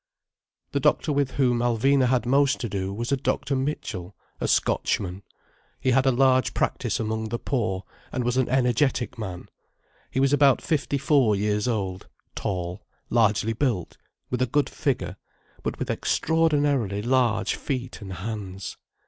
The doctor with whom Alvina had most to do was a Dr. Mitchell, a Scotchman. He had a large practice among the poor, and was an energetic man. He was about fifty four years old, tall, largely built, with a good figure, but with extraordinarily large feet and hands.